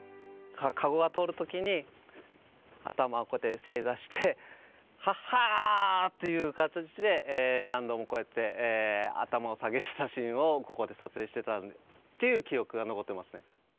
かごが通る時に頭こうやって正座してはは！という形で何度もこうやって頭を下げてたシーンをここで撮影してたっていう記憶が残ってますね。